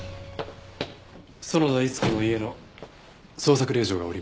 園田逸子の家の捜索令状が下りました。